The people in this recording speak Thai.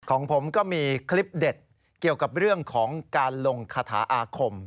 ของผมก็มีคลิปเด็ดเกี่ยวกับเรื่องของการลงคาถาอาคม